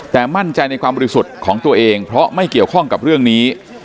แต่มั่นใจในความบริสุทธิ์ของตัวเองเพราะไม่เกี่ยวข้องกับเรื่องนี้